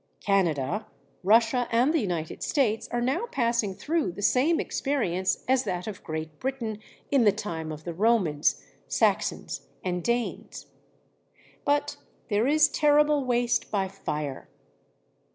Canada, Russia, and the United States are now passing through the same experience as that of Great Britain in the time of the Romans, Saxons, and Danes. But there is terrible waste by fire.